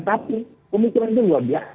tapi pemikiran itu luar biasa